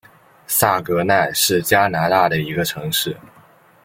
萨格奈是加拿大的一个城市。